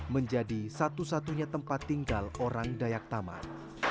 menjadi satu satunya tempat tinggal orang dayak taman